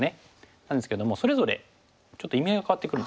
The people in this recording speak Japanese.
なんですけどもそれぞれちょっと意味合いが変わってくるんですよ。